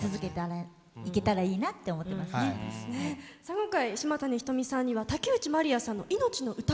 今回島谷ひとみさんには竹内まりやさんの「いのちの歌」を。